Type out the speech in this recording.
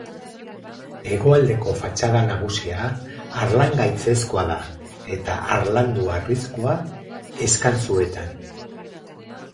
Hegoaldeko fatxada nagusia harlangaitzezkoa da, eta harlandu-harrizkoa eskantzuetan.